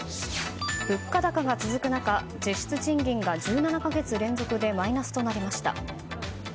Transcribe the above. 物価高が続く中、実質賃金が１７か月連続でマイナスとなりました。